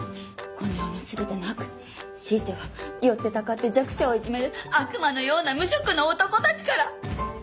この世のすべての悪しいては寄ってたかって弱者をいじめる悪魔のような無職の男たちから！